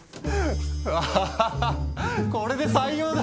アハハハッこれで採用だ！